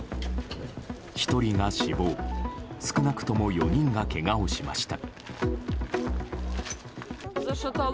１人が死亡少なくとも４人がけがをしました。